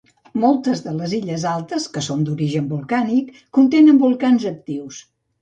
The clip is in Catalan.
Moltes de les illes altes, que són d'origen volcànic, contenen volcans actius.